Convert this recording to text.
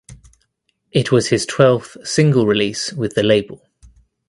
It was his twelfth single release with the label.